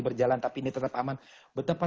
berjalan tapi ini tetap aman betapa